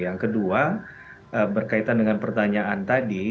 yang kedua berkaitan dengan pertanyaan tadi